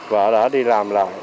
và đã đi làm lại